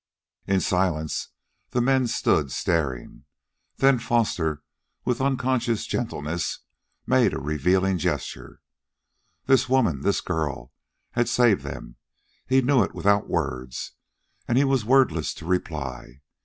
In silence the men stood staring. Then Foster, with unconscious gentleness, made a revealing gesture. This woman this girl had saved them. He knew it without words, and he was wordless to reply.